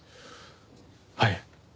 はい。